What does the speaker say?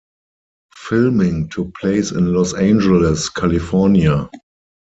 Filming took place in Los Angeles, California.